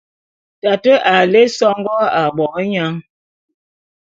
Tate a lé songó ā bobenyang.